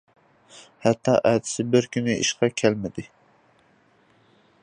ھەتتا ئەتىسى بىر كۈن ئىشقا كەلمىدى.